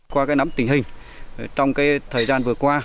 qua cái nắm tình hình trong cái thời gian vừa qua